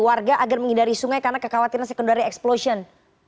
warga agar menghindari sungai karena kekhawatiran secondary explosion